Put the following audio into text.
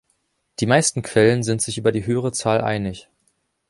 Die meisten Quellen sind sich über die höhere Zahl einig.